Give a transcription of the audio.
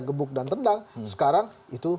gebuk dan tendang sekarang itu